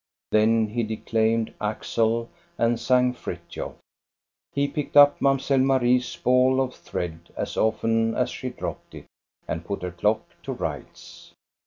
Then he de claimed " Axel " and sang " Frithiof." He picked up Mamselle Marie's ball of thread as often as she dropped it, and put her clock to rights.